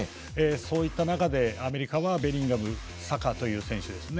そういった中で、イングランドはベリンガム、サカという選手です。